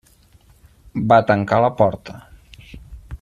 Va tancar la porta.